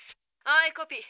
「アイコピー。